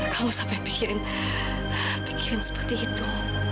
kamu sampai pikirin pikirin seperti itu